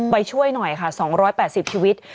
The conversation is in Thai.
ไปช่วยหน่อยค่ะ๒๘๐ชีวิต